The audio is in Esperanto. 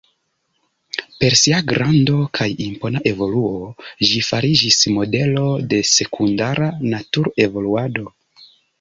Per sia grando kaj impona evoluo ĝi fariĝis modelo de sekundara natur-evoluado.